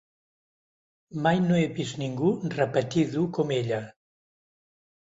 Mai no he vist ningú repetir dur com ella.